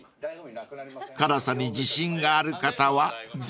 ［辛さに自信がある方はぜひ］